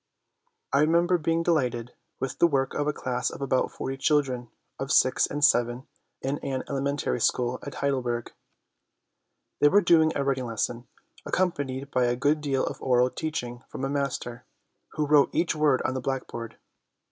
I remember being delighted with the work of a class of about forty children, of six and seven, in an elementary school at Heidelberg. They were doing a writing lesson, accompanied by a good deal of oral teaching from a master, who wrote each word on the blackboard.